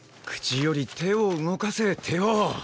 口より手を動かせ手を！